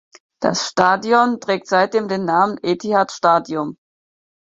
Das Stadion trägt seitdem den Namen Etihad Stadium.